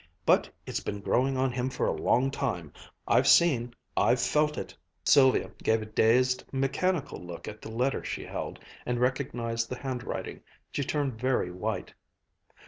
But it's been growing on him for a long time. I've seen I've felt it!" Sylvia gave a dazed, mechanical look at the letter she held and recognized the handwriting. She turned very white.